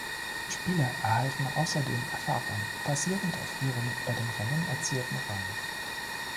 Spieler erhalten außerdem Erfahrung basierend auf ihrem bei dem Rennen erzielten Rang.